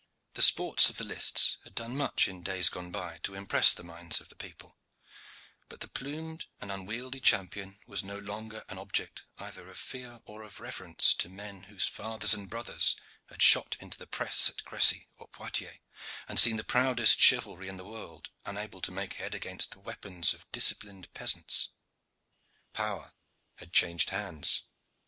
The sports of the lists had done much in days gone by to impress the minds of the people, but the plumed and unwieldy champion was no longer an object either of fear or of reverence to men whose fathers and brothers had shot into the press at Crecy or Poitiers, and seen the proudest chivalry in the world unable to make head against the weapons of disciplined peasants. Power had changed hands.